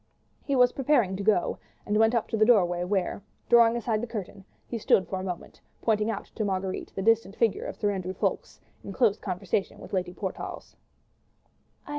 He was preparing to go, and went up to the doorway, where, drawing aside the curtain, he stood for a moment pointing out to Marguerite the distant figure of Sir Andrew Ffoulkes in close conversation with Lady Portarles.